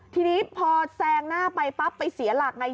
ทีนี้พอแซงหน้าไปปั๊บไปเสียหลักไง